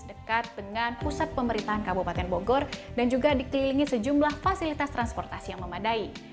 dekat dengan pusat pemerintahan kabupaten bogor dan juga dikelilingi sejumlah fasilitas transportasi yang memadai